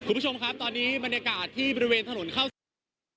คุณผู้ชมครับตอนนี้บรรยากาศที่บริเวณถนนเข้าสาร